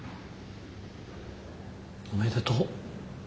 おめでとう。